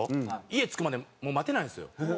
家着くまでもう待てないんですよ。